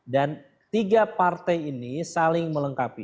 dan tiga partai ini saling melengkapi